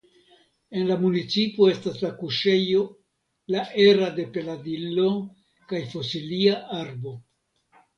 En la municipo estas la kuŝejo "La era del Peladillo" kaj fosilia arbo.